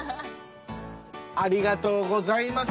ありがとうございます